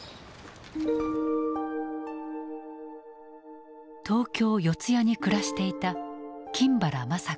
東京・四谷に暮らしていた金原まさ子。